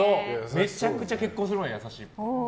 めちゃくちゃ結婚する前優しいの。